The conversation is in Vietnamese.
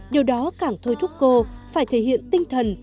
điều đó càng thôi thúc cô phải thể hiện tinh thần